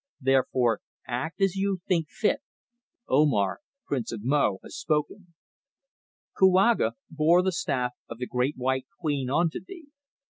Therefore act as you think fit. Omar, Prince of Mo, has spoken." "Kouaga bore the staff of the Great White Queen unto thee.